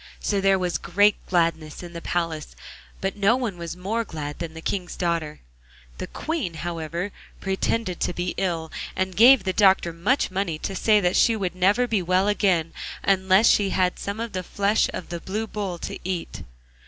So there was great gladness in the palace, but no one was more glad than the King's daughter. The Queen, however, pretended to be ill, and gave the doctor much money to say that she would never be well again unless she had some of the flesh of the Blue Bull to eat.